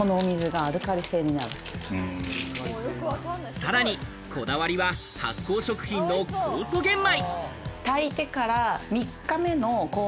さらにこだわりは発酵食品の酵素玄米。